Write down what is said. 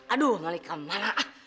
aduh malikam malak